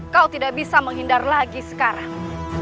kau tidak bisa menghindar lagi sekarang